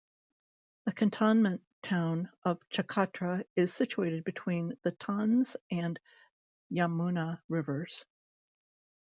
The cantonment town of Chakrata is situated between, the Tons and Yamuna rivers.